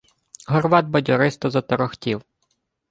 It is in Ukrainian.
Горват бадьористо заторохтів: